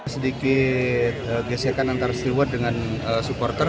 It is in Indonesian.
sedikit gesekan antara steward dengan supporter